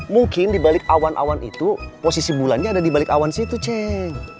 mungkin di balik awan awan itu posisi bulannya ada di balik awan situ cek